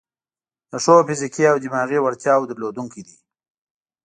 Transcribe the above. د ښو فزیکي او دماغي وړتیاوو درلودونکي دي.